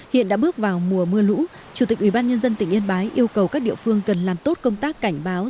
hiện đã bước vào mùa mưa lũ chủ tịch ubnd tỉnh yên bái yêu cầu các địa phương cần làm tốt công tác cảnh báo